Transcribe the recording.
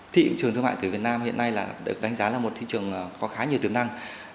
thị trường thương mại từ việt nam hiện nay được đánh giá là một thị trường có khá nhiều tiềm năng